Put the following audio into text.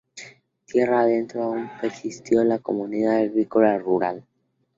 Tierra adentro, aún persistió la comunidad agrícola rural.